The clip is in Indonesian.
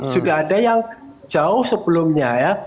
sudah ada yang jauh sebelumnya ya